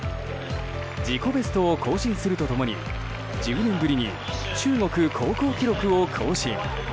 自己ベストを更新すると共に１０年ぶりに中国高校記録を更新。